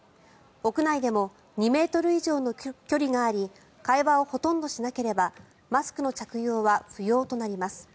屋内でも２ｍ以上の距離があり会話をほとんどしなければマスクの着用は不要となります。